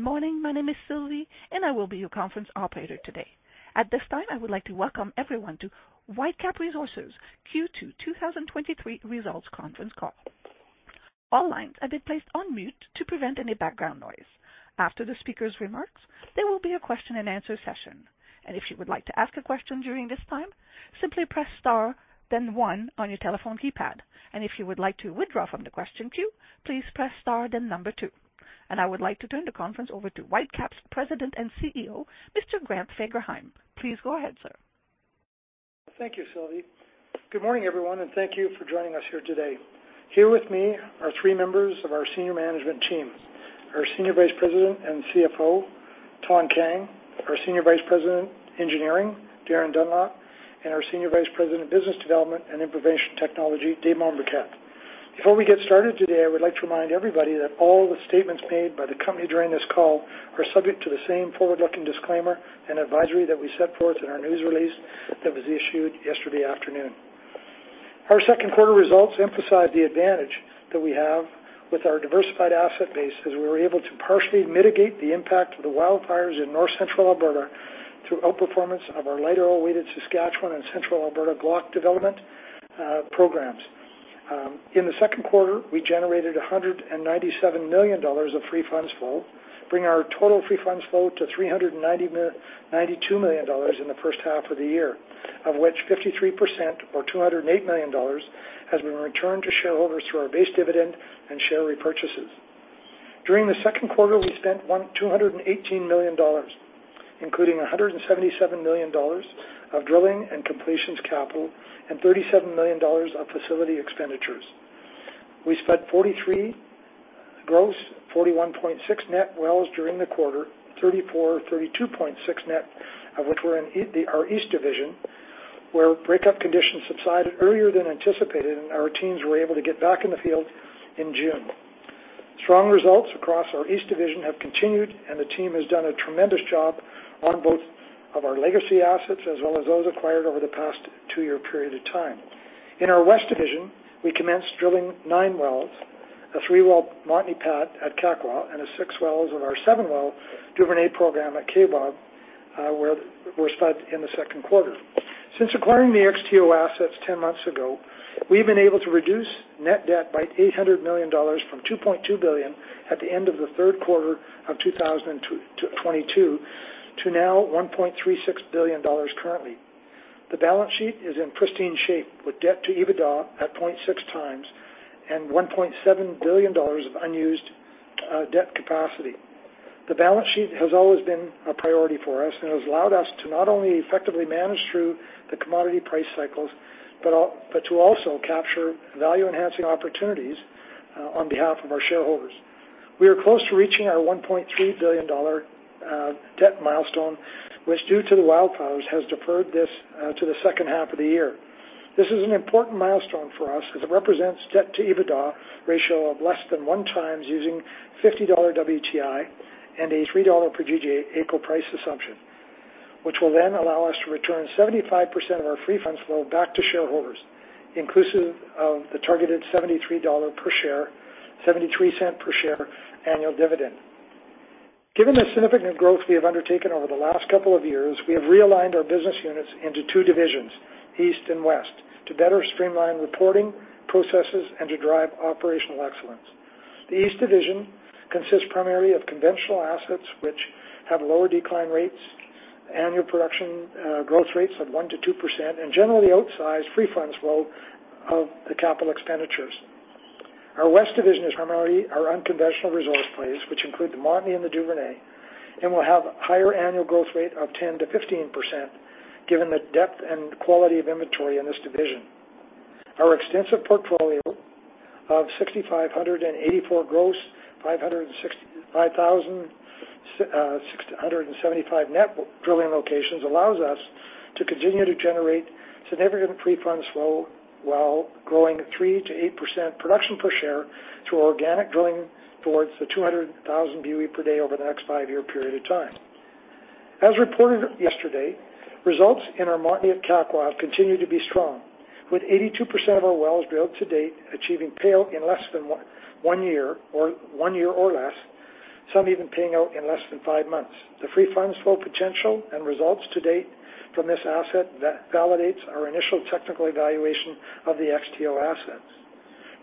Good morning. My name is Sylvie. I will be your conference operator today. At this time, I would like to welcome everyone to Whitecap Resources Q2 2023 Results Conference Call. All lines have been placed on mute to prevent any background noise. After the speaker's remarks, there will be a question-and-answer session. If you would like to ask a question during this time, simply press star then one on your telephone keypad. If you would like to withdraw from the question queue, please press star then number two. I would like to turn the conference over to Whitecap's President and CEO, Mr. Grant Fagerheim. Please go ahead, sir. Thank you, Sylvie. Good morning, everyone, and thank you for joining us here today. Here with me are three members of our senior management team, our Senior Vice President and CFO, Thanh Kang, our Senior Vice President, Engineering, Darin Dunlop, and our Senior Vice President of Business Development and Information Technology, Dave Mombourquette. Before we get started today, I would like to remind everybody that all the statements made by the company during this call are subject to the same forward-looking disclaimer and advisory that we set forth in our news release that was issued yesterday afternoon. Our second quarter results emphasize the advantage that we have with our diversified asset base, as we were able to partially mitigate the impact of the wildfires in North Central Alberta through outperformance of our later oil-weighted Saskatchewan and Central Alberta Glauconite development programs. In the second quarter, we generated 197 million dollars of free funds flow, bringing our total free funds flow to 392 million dollars in the first half of the year, of which 53% or 208 million dollars has been returned to shareholders through our base dividend and share repurchases. During the second quarter, we spent 218 million dollars, including 177 million dollars of drilling and completions capital and 37 million dollars of facility expenditures. We spud 43 gross, 41.6 net wells during the quarter, 32.6 net of which were in our East Division, where breakup conditions subsided earlier than anticipated, our teams were able to get back in the field in June. Strong results across our East Division have continued, and the team has done a tremendous job on both of our legacy assets as well as those acquired over the past two-year period of time. In our West Division, we commenced drilling nine wells, a three-well Montney pad at Kakwa, and six wells of our seven-well Duvernay program at Kaybob were spud in the second quarter. Since acquiring the XTO assets 10 months ago, we've been able to reduce net debt by 800 million dollars from 2.2 billion at the end of the third quarter of 2022, to now 1.36 billion dollars currently. The balance sheet is in pristine shape, with debt-to-EBITDA at 0.6x and 1.7 billion dollars of unused debt capacity. The balance sheet has always been a priority for us. It has allowed us to not only effectively manage through the commodity price cycles, but to also capture value-enhancing opportunities on behalf of our shareholders. We are close to reaching our 1.3 billion dollar debt milestone, which, due to the wildfires, has deferred this to the second half of the year. This is an important milestone for us as it represents debt-to-EBITDA ratio of less than 1x, using 50 dollar WTI and a 3 dollar per GJ AECO price assumption, which will then allow us to return 75% of our free funds flow back to shareholders, inclusive of the targeted 0.73 per share annual dividend. Given the significant growth we have undertaken over the last couple of years, we have realigned our business units into two divisions, East and West, to better streamline reporting processes and to drive operational excellence. The East Division consists primarily of conventional assets, which have lower decline rates, annual production growth rates of 1%-2%, and generally outsized free funds flow of the capital expenditures. Our West Division is primarily our unconventional resource plays, which include the Montney and the Duvernay, and will have a higher annual growth rate of 10%-15%, given the depth and quality of inventory in this division. Our extensive portfolio of 6,584 gross, 5,675 net drilling locations allows us to continue to generate significant free funds flow while growing 3%-8% production per share through organic drilling towards 200,000 boe per day over the next five-year period of time. As reported yesterday, results in our Montney at Kakwa continue to be strong, with 82% of our wells drilled to-date, achieving pay out in less than one year or less, some even paying out in less than five months. The free funds flow potential and results to-date from this asset that validates our initial technical evaluation of the XTO assets.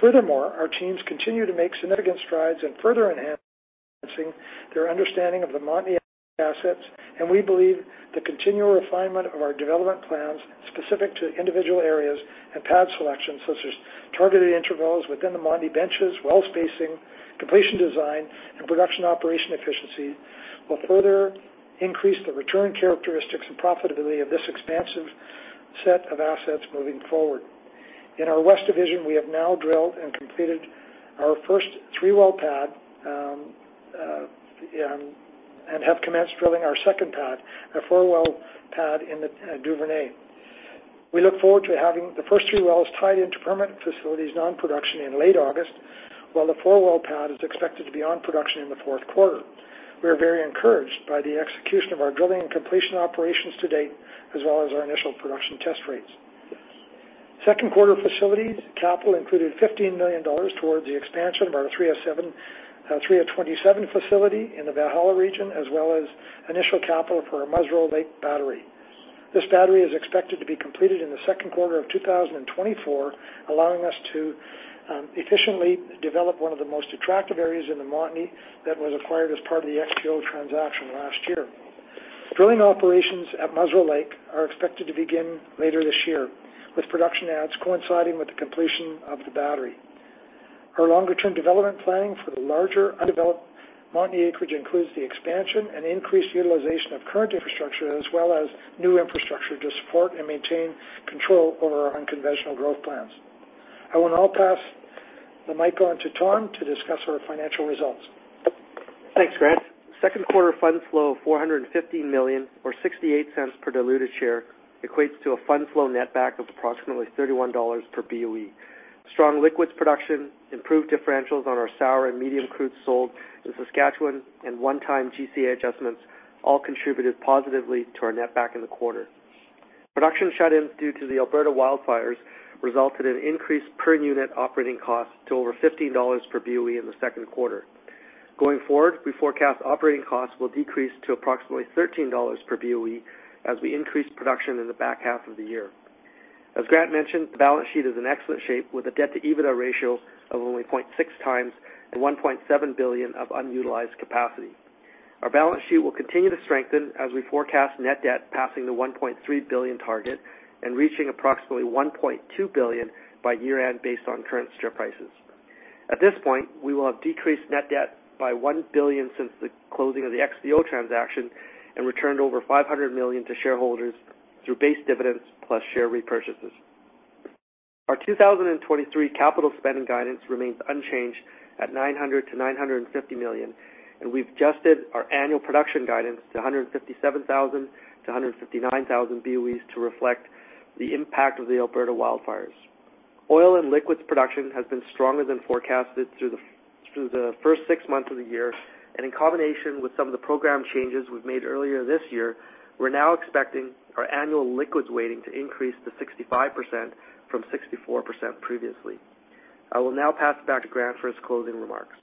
Furthermore, our teams continue to make significant strides in further enhancing their understanding of the Montney assets, and we believe the continual refinement of our development plans specific to individual areas and pad selections, such as targeted intervals within the Montney benches, well spacing, completion design, and production operation efficiency, will further increase the return characteristics and profitability of this expansive set of assets moving forward. In our West Division, we have now drilled and completed our first three-well pad, and have commenced drilling our second pad, a four-well pad in the Duvernay. We look forward to having the first three wells tied into permanent facilities on production in late-August, while the four-well pad is expected to be on production in the fourth quarter. We are very encouraged by the execution of our drilling and completion operations to-date, as well as our initial production test rates. Second quarter facilities capital included 15 million dollars towards the expansion of our 3-07, 3-27 facility in the Valhalla region, as well as initial capital for our Musreau Lake battery. This battery is expected to be completed in the second quarter of 2024, allowing us to efficiently develop one of the most attractive areas in the Montney, that was acquired as part of the XTO transaction last year. Drilling operations at Musreau Lake are expected to begin later this year, with production adds coinciding with the completion of the battery. Our longer-term development planning for the larger undeveloped Montney acreage includes the expansion and increased utilization of current infrastructure, as well as new infrastructure to support and maintain control over our unconventional growth plans. I will now pass the mic on to Thanh to discuss our financial results. Thanks, Grant. Second quarter fund flow of 450 million or 0.68 per diluted share, equates to a fund flow netback of approximately 31 dollars per boe. Strong liquids production, improved differentials on our sour and medium crude sold in Saskatchewan, one-time GCA adjustments, all contributed positively to our netback in the quarter. Production shut-ins due to the Alberta wildfires resulted in increased per unit operating costs to over 15 dollars per boe in the second quarter. Going forward, we forecast operating costs will decrease to approximately 13 dollars per boe as we increase production in the back half of the year. As Grant mentioned, the balance sheet is in excellent shape, with a debt-to-EBITDA ratio of only 0.6x and 1.7 billion of unutilized capacity. Our balance sheet will continue to strengthen as we forecast net debt passing the 1.3 billion target and reaching approximately 1.2 billion by year-end, based on current strip prices. At this point, we will have decreased net debt by 1 billion since the closing of the XTO transaction and returned over 500 million to shareholders through base dividends plus share repurchases. Our 2023 capital spending guidance remains unchanged at 900 million-950 million. We've adjusted our annual production guidance to 157,000 boe-159,000 boe to reflect the impact of the Alberta wildfires. Oil and liquids production has been stronger than forecasted through the first six months of the year. In combination with some of the program changes we've made earlier this year, we're now expecting our annual liquids weighting to increase to 65% from 64% previously. I will now pass it back to Grant for his closing remarks.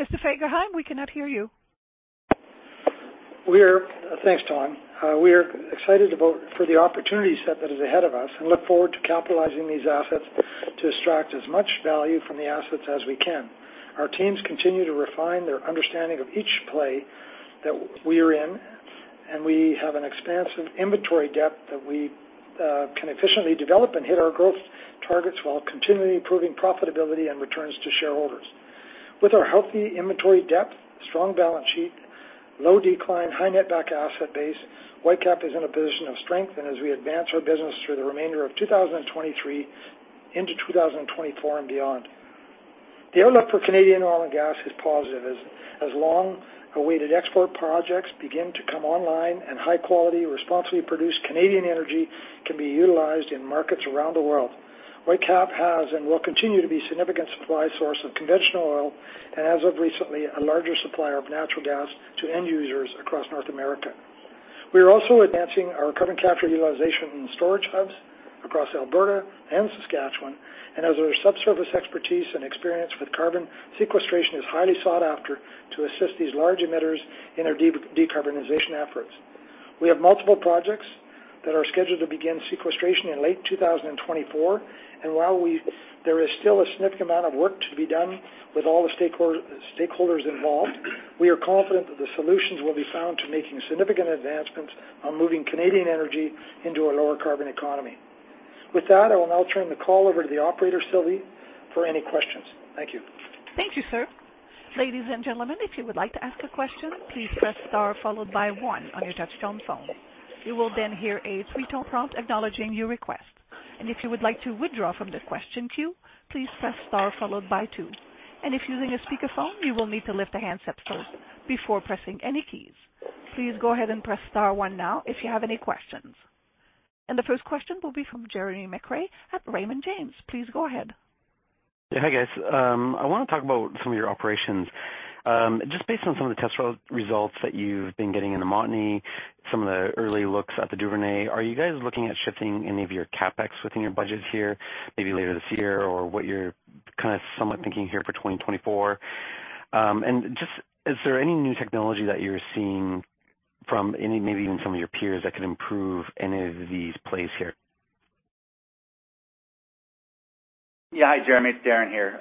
Mr. Fagerheim, we cannot hear you. Thanks, Thanh. We are excited for the opportunity set that is ahead of us and look forward to capitalizing these assets to extract as much value from the assets as we can. Our teams continue to refine their understanding of each play that we are in. We have an expansive inventory depth that we can efficiently develop and hit our growth targets, while continually improving profitability and returns to shareholders. With our healthy inventory depth, strong balance sheet, low decline, high netback asset base, Whitecap is in a position of strength, and as we advance our business through the remainder of 2023 into 2024 and beyond. The outlook for Canadian oil and gas is positive, as long-awaited export projects begin to come online and high-quality, responsibly produced Canadian energy can be utilized in markets around the world. Whitecap has and will continue to be a significant supply source of conventional oil, and as of recently, a larger supplier of natural gas to end users across North America. We are also advancing our carbon capture utilization and storage hubs across Alberta and Saskatchewan. As our subsurface expertise and experience with carbon sequestration is highly sought after to assist these large emitters in their decarbonization efforts. We have multiple projects that are scheduled to begin sequestration in late 2024. While there is still a significant amount of work to be done with all the stakeholders involved, we are confident that the solutions will be found to making significant advancements on moving Canadian energy into a lower carbon economy. With that, I will now turn the call over to the operator, Sylvie, for any questions. Thank you. Thank you, sir. Ladies and gentlemen, if you would like to ask a question, please press star followed by one on your touch-tone phone. You will then hear a three-tone prompt acknowledging your request. If you would like to withdraw from the question queue, please press star followed by two. If using a speakerphone, you will need to lift the handset first before pressing any keys. Please go ahead and press star one now if you have any questions. The first question will be from Jeremy McCrea at Raymond James. Please go ahead. Yeah. Hi, guys. I want to talk about some of your operations. Just based on some of the test results that you've been getting in the Montney, some of the early looks at the Duvernay, are you guys looking at shifting any of your CapEx within your budgets here, maybe later this year, or what you're kinda somewhat thinking here for 2024? Just is there any new technology that you're seeing from any, maybe even some of your peers, that could improve any of these plays here? Yeah. Hi, Jeremy, it's Darin here.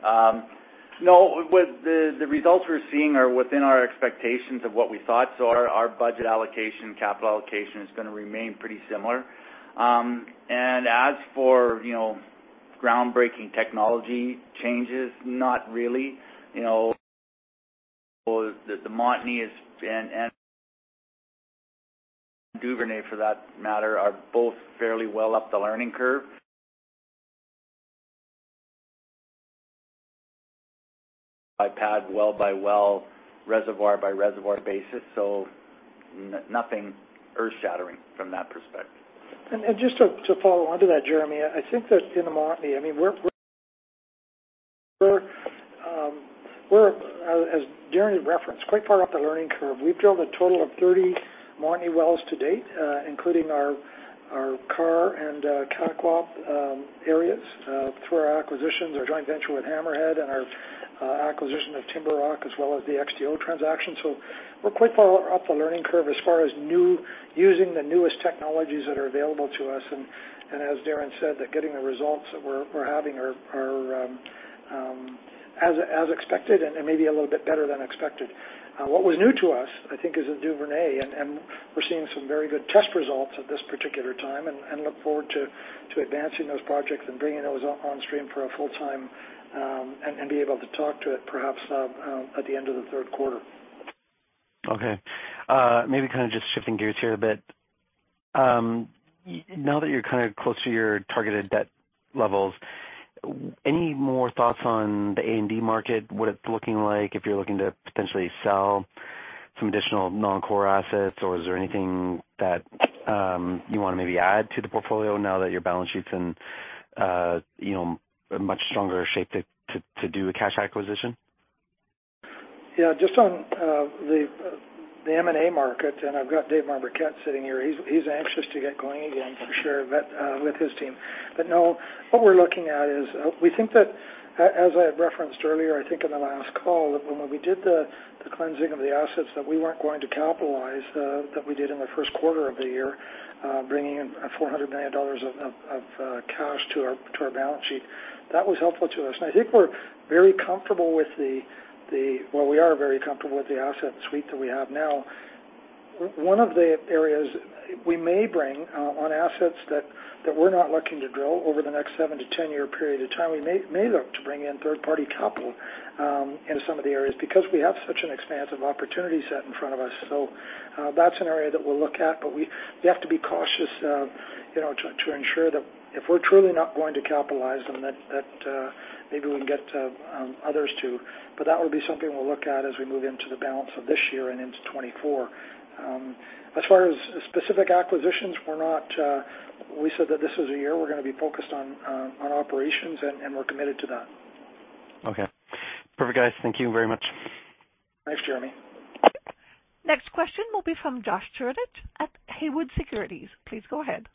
No, with the results we're seeing are within our expectations of what we thought. Our budget allocation, capital allocation is gonna remain pretty similar. As for, you know, groundbreaking technology changes, not really. You know, the Montney is, and Duvernay, for that matter, are both fairly well up the learning curve by pad, well by well, reservoir by reservoir basis, nothing earth-shattering from that perspective. Just to follow on to that, Jeremy, I think that in the Montney, I mean, we're, as Darin referenced, quite far up the learning curve. We've drilled a total of 30 Montney wells to-date, including our Karr and Kakwa areas, through our acquisitions, our joint venture with Hammerhead and our acquisition of TimberRock, as well as the XTO transaction. We're quite far up the learning curve as far as using the newest technologies that are available to us. As Darin said, that getting the results that we're having are as expected and maybe a little bit better than expected. What was new to us, I think, is the Duvernay, and we're seeing some very good test results at this particular time and look forward to advancing those projects and bringing those onstream for a full-time, and be able to talk to it perhaps, at the end of the third quarter. Okay. Maybe kind of just shifting gears here a bit. Now that you're kind of close to your targeted debt levels, any more thoughts on the A&D market, what it's looking like, if you're looking to potentially sell some additional non-core assets, or is there anything that, you wanna maybe add to the portfolio now that your balance sheet's in, you know, a much stronger shape to do a cash acquisition? Yeah, just on the M&A market, and I've got Dave Mombourquette sitting here. He's anxious to get going again, for sure, but with his team. No, what we're looking at is, we think that as I had referenced earlier, I think in the last call, that when we did the cleansing of the assets that we weren't going to capitalize, that we did in the first quarter of the year, bringing in 400 million dollars of cash to our balance sheet, that was helpful to us. I think we're very comfortable with Well, we are very comfortable with the asset suite that we have now. One of the areas we may bring on assets that we're not looking to drill over the next seven-to-10-year period of time, we may look to bring in third-party capital in some of the areas, because we have such an expansive opportunity set in front of us. That's an area that we'll look at, but we have to be cautious, you know, to ensure that if we're truly not going to capitalize them, that maybe we can get others to. That would be something we'll look at as we move into the balance of this year and into 2024. As far as specific acquisitions, we're not, we said that this is a year we're gonna be focused on operations, and we're committed to that. Okay. Perfect, guys. Thank you very much. Thanks, Jeremy. Next question will be from Josh Turanich at Haywood Securities. Please go ahead.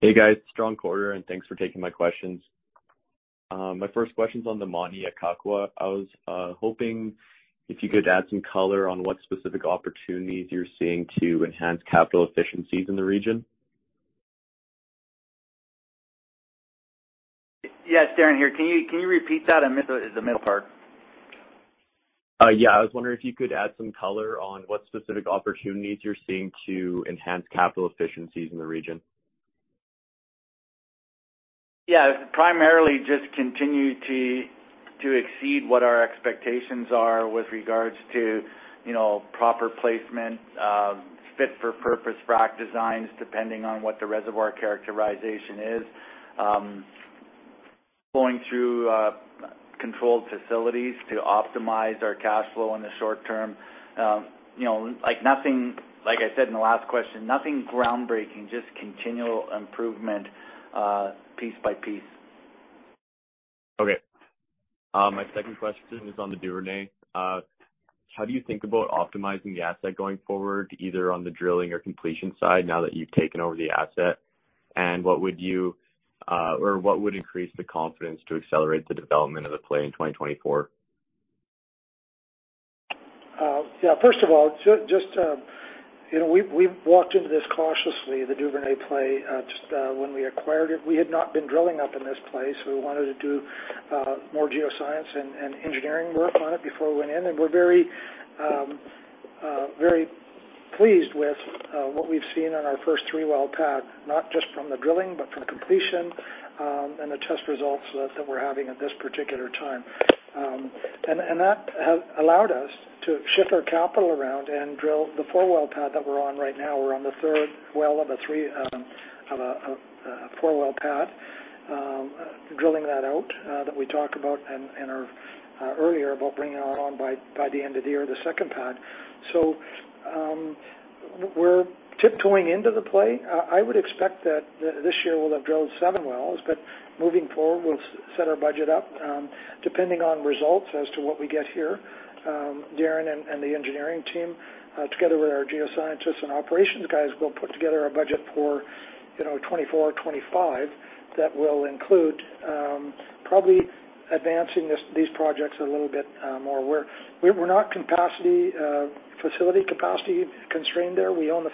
Hey, guys. Strong quarter. Thanks for taking my questions. My first question's on the Montney at Kakwa. I was hoping if you could add some color on what specific opportunities you're seeing to enhance capital efficiencies in the region? Yes, Darin here. Can you repeat that? I missed the middle part. I was wondering if you could add some color on what specific opportunities you're seeing to enhance capital efficiencies in the region. Yeah, primarily just continue to exceed what our expectations are with regards to, you know, proper placement, fit for purpose frack designs, depending on what the reservoir characterization is. Flowing through controlled facilities to optimize our cash flow in the short term. You know, like nothing, like I said in the last question, nothing groundbreaking, just continual improvement, piece by piece. Okay. My second question is on the Duvernay. How do you think about optimizing the asset going forward, either on the drilling or completion side, now that you've taken over the asset? What would you, or what would increase the confidence to accelerate the development of the play in 2024? Yeah, first of all, you know, we've walked into this cautiously, the Duvernay play. When we acquired it, we had not been drilling up in this play, so we wanted to do more geoscience and engineering work on it before we went in. We're very, very pleased with what we've seen on our first three-well pad, not just from the drilling, but from completion, and the test results that we're having at this particular time. That has allowed us to shift our capital around and drill the four-well pad that we're on right now. We're on the third well of a three, of a four-well pad, drilling that out, that we talked about in, in our earlier, about bringing on by the end of the year, the second pad. We're tiptoeing into the play. I would expect that this year we'll have drilled seven wells, but moving forward, we'll set our budget up, depending on results as to what we get here. Darin and the engineering team, together with our geoscientists and operations guys, will put together a budget for, you know, 2024, 2025, that will include, probably advancing these projects a little bit, more where we're not capacity, facility capacity-constrained there. We own the 15-07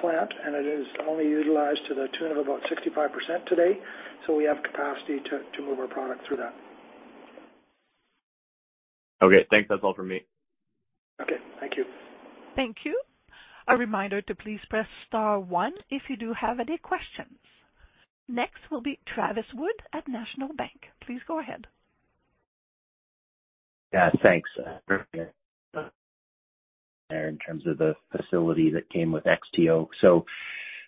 plant, and it is only utilized to the tune of about 65% today, so we have capacity to move our product through that. Okay, thanks. That's all for me. Okay, thank you. Thank you. A reminder to please press star one if you do have any questions. Next will be Travis Wood at National Bank. Please go ahead. Yeah, thanks. In terms of the facility that came with XTO, so,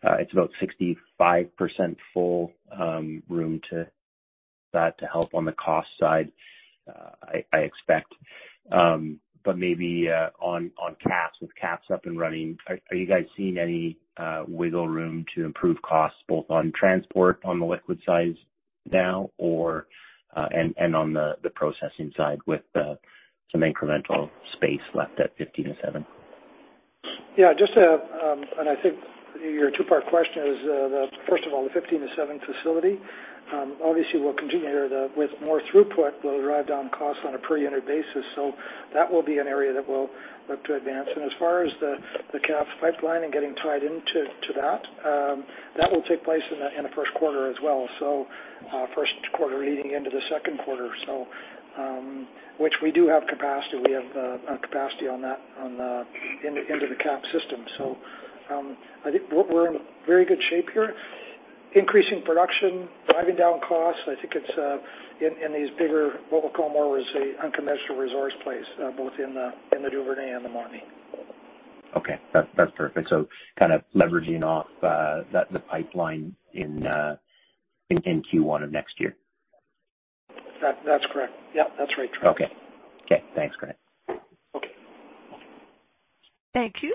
it's about 65% full. That to help on the cost side, I expect. Maybe on CCS, with CCS up and running, are you guys seeing any wiggle room to improve costs both on transport, on the liquid side now, or and on the processing side with the some incremental space left at 15-07? Yeah, just to, I think your two-part question is, first of all, the 15-07 facility. Obviously, we'll continue with more throughput, we'll drive down costs on a per unit basis. That will be an area that we'll look to advance. As far as the CCS pipeline and getting tied into that, that will take place in the first quarter as well. First quarter leading into the second quarter. Which we do have capacity, we have capacity on that, into the CCS system. I think we're in very good shape here. Increasing production, driving down costs, I think it's in these bigger, what we'll call more as a unconventional resource place, both in the Duvernay and the Montney. Okay. That's perfect. Kind of leveraging off the pipeline in Q1 of next year? That's correct. Yeah, that's right. Okay. Okay, thanks, Grant. Okay. Thank you.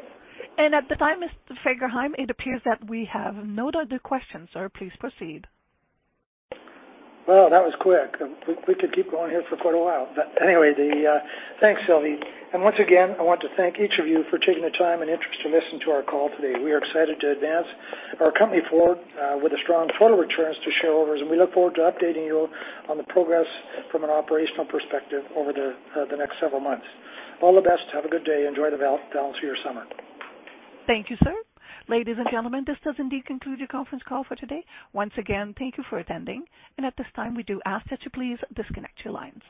At the time, Mr. Fagerheim, it appears that we have no other questions, sir, please proceed. Well, that was quick. We, we could keep going here for quite a while. Anyway, thanks, Sylvie. Once again, I want to thank each of you for taking the time and interest to listen to our call today. We are excited to advance our company forward with a strong total returns to shareholders. We look forward to updating you on the progress from an operational perspective over the next several months. All the best. Have a good day. Enjoy the balance of your summer. Thank you, sir. Ladies and gentlemen, this does indeed conclude your conference call for today. Once again, thank you for attending. At this time, we do ask that you please disconnect your lines.